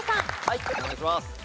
はいお願いします。